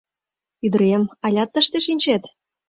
Ӱдырем, алят тыште шинчет?